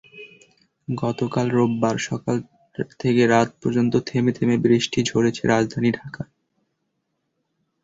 গতকাল রোববার সকাল থেকে রাত পর্যন্ত থেমে থেমে বৃষ্টি ঝরেছে রাজধানী ঢাকায়।